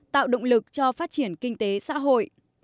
tạo động lực cho phát triển kinh tế xã hội